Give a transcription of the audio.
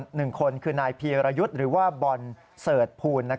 เหลืออีก๑คนคือนายพีรยุทธ์หรือว่าบอนเสิร์ตภูล